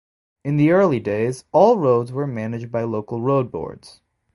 In the early days all roads were managed by local road boards.